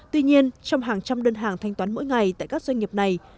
tuy nhiên trong hàng trăm đơn hàng thanh toán mỗi ngày tại các doanh nghiệp này